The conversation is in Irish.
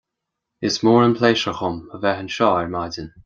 Is mór an pléisiúir dom a bheith anseo ar maidin